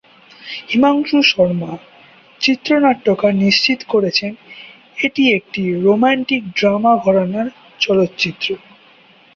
হিমাংশু শর্মা, চিত্রনাট্যকার নিশ্চিত করেছেন এটি একটি রোমান্টিক ড্রামা ঘরানার চলচ্চিত্র।